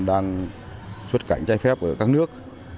đang xuất cảnh trái phép ở các nước